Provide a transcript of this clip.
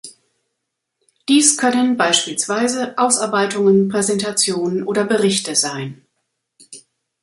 Dies können beispielsweise Ausarbeitungen, Präsentationen oder Berichte sein.